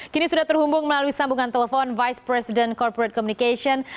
kini sudah terhubung melalui sambungan telepon vice president corporate communication